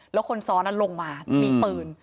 แล้วคนซ้อนนั้นลงมามีปืน